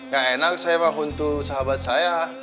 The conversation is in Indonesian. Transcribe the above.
gak enak saya waktu untuk sahabat saya